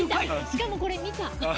しかもこれ見た。